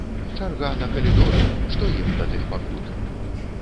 Чарга на калідоры, што ім да тых пакут!